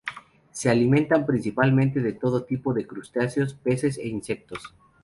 Se alimentan principalmente de todo tipo de crustáceos, peces e insectos.